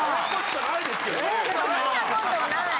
そんなことない！